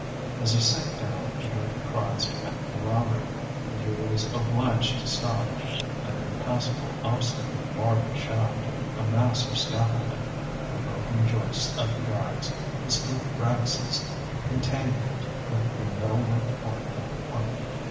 As he sank down he heard the cries becoming louder, and he was obliged to stop; an impassable obstacle barred the shaft a mass of scaffolding, the broken joists of the guides, the split brattices entangled with the metal work torn from the pump.